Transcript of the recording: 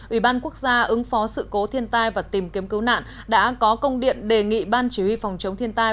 ubnd ứng phó sự cố thiên tai và tìm kiếm cứu nạn đã có công điện đề nghị ban chỉ huy phòng chống thiên tai